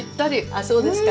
あっそうですか。